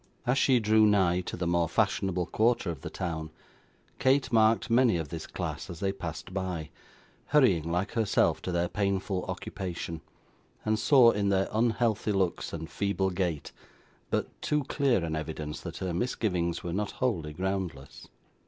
As she drew nigh to the more fashionable quarter of the town, Kate marked many of this class as they passed by, hurrying like herself to their painful occupation, and saw, in their unhealthy looks and feeble gait, but too clear an evidence that her misgivings were not wholly groundless.